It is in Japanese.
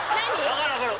分かる分かる